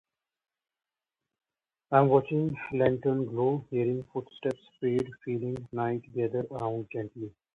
I'm watching lanterns glow, hearing footsteps fade, feeling night gather around gently.